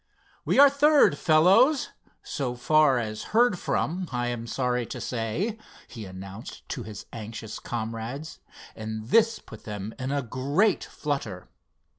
"We are third, fellows, so far as heard from, I am sorry to say," he announced to his anxious comrades, and this put them in a great flutter.